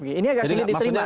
ini agak sulit diterima